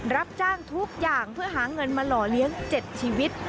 รับจ้างทุกอย่างเพื่อหาเงินมาหล่อเลี้ยง๗ชีวิต